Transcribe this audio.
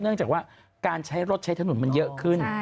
เนื่องจากว่าการใช้รถใช้ถนนมันเยอะขึ้น